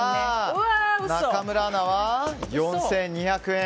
中村アナは４２００円。